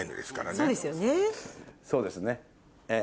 そうですねええ。